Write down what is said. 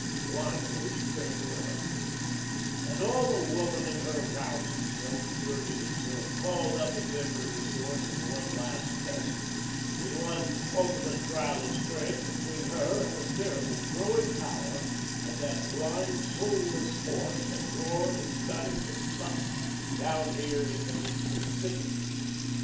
Blindly she turned to her husband; and all the woman in her roused itself, girded itself, called up its every resource in one last test, in one ultimate trial of strength between her and the terrible growing power of that blind, soulless force that roared and guttered and sucked, down there in the midst of the city.